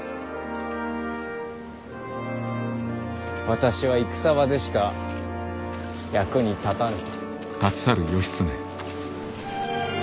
私は戦場でしか役に立たぬ。